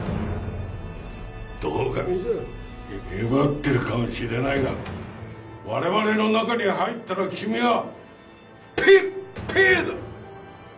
堂上じゃ威張ってるかもしれないが我々の中に入ったら君はペーペーだ。